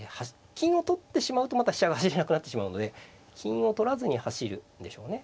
金を取ってしまうとまた飛車が走れなくなってしまうので金を取らずに走るんでしょうね